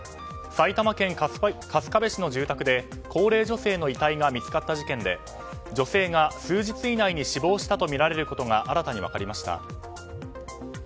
埼玉県春日部市の住宅で高齢女性の遺体が見つかった事件で女性が、数日以内に死亡したとみられることが新たに分かりました。